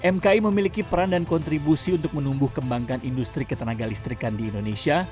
mki memiliki peran dan kontribusi untuk menumbuh kembangkan industri ketenaga listrikan di indonesia